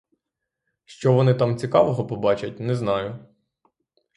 Що вони там цікавого побачать — не знаю.